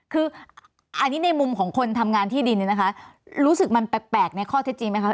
คืออันนี้ในมุมของคนทำงานที่ดินเนี่ยนะคะรู้สึกมันแปลกในข้อเท็จจริงไหมคะ